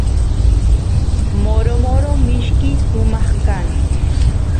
moro moro mishki sumaq kan